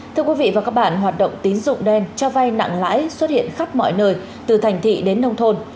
thưa quý vị và các bạn hoạt động tín dụng đen cho vai nặng lãi xuất hiện khắp mọi nơi từ thành thị đến nông thôn